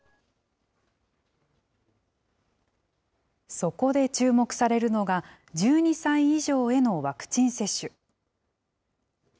そこで注目されるのが、１２歳以上へのワクチン接種。